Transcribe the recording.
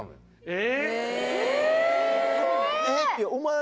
え！